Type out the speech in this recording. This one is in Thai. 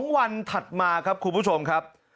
๒วันถัดมาครับคุณผู้ชมครับ